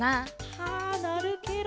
はあなるケロ。